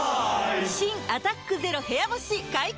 新「アタックＺＥＲＯ部屋干し」解禁‼